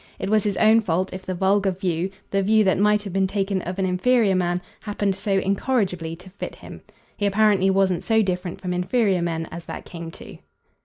It was his own fault if the vulgar view, the view that might have been taken of an inferior man, happened so incorrigibly to fit him. He apparently wasn't so different from inferior men as that came to.